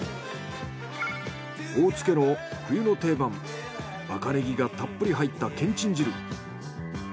大津家の冬の定番赤ネギがたっぷり入ったけんちん汁。